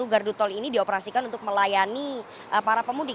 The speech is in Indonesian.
satu gardu tol ini dioperasikan untuk melayani para pemudik